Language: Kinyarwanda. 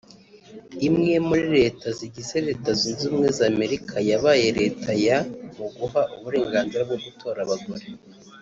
imwe muri leta zigize Leta Zunze Ubumwe za Amerika yabaye leta ya mu guha uburenganzira bwo gutora abagore